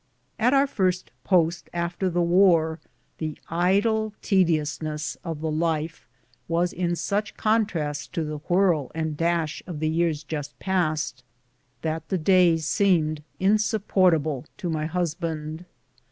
At our first post after the war, the idle tediousness of the life was in such contrast to the w^iirl and dash of the years just passed that the days seemed insupporta ble to my husband.